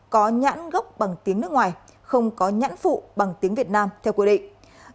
có nhãn gốc bằng tiếng nước ngoài không có nhãn phụ bằng tiếng việt nam theo quy định